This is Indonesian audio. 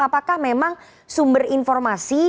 apakah memang sumber informasi